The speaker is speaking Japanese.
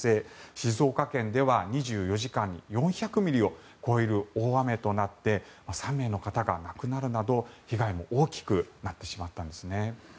静岡県では２４時間に４００ミリを超える大雨となって３名の方が亡くなるなど、被害も大きくなってしまったんですね。